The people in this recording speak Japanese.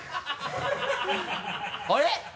あれ？